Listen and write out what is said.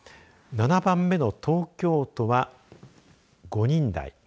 ７番目の東京都は５人台。